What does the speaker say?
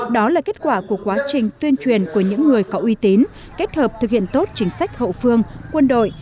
đó là kết quả của quá trình tuyên truyền của những người có uy tín kết hợp thực hiện tốt chính sách hậu phương quân đội